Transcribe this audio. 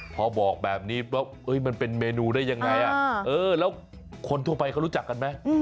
พอบอกแบบนี้ว่ามันเป็นเมนูได้ยังไงแล้วคนทั่วไปเขารู้จักกันไหม